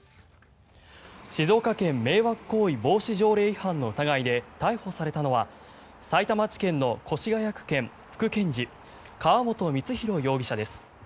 静岡県迷惑行為防止条例違反の疑いで逮捕されたのはさいたま地検の越谷区検副検事川本満博容疑者です。